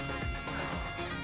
はあ。